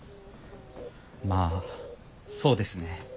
まぁそうですねぇ。